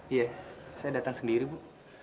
iya saya datang sendiri bu